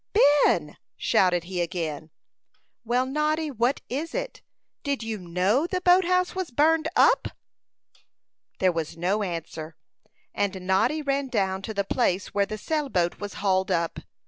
"Ben!" shouted he again. "Well, Noddy, what is it?" "Did you know the boat house was burned up?" There was no answer; and Noddy ran down to the place where the sail boat was hauled up.